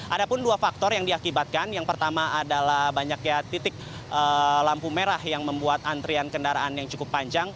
ada pun dua faktor yang diakibatkan yang pertama adalah banyaknya titik lampu merah yang membuat antrian kendaraan yang cukup panjang